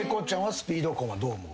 スピード婚はどう思う？